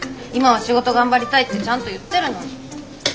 「今は仕事頑張りたい」ってちゃんと言ってるのに。